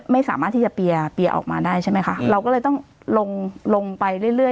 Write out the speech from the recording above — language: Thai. ไม่สามารถที่จะเปียร์เปียออกมาได้ใช่ไหมคะเราก็เลยต้องลงลงไปเรื่อยเรื่อย